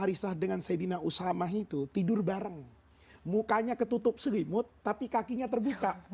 islah dengan saidina usama itu tidur bareng mukanya ketutup selimut tapi kakinya terbuka